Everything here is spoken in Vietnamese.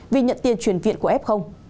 vì nhận tiền truyền viện của f